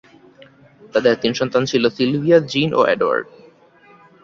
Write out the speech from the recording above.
তাদের তিন সন্তান ছিল, সিলভিয়া, জিন ও এডওয়ার্ড।